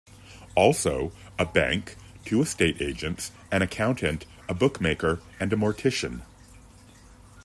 Also, a bank, two estate agents, an accountant, a bookmaker and a mortician.